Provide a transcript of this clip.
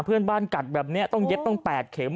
เพื่อนบ้านกัดแบบนี้ต้องเย็บต้อง๘เข็ม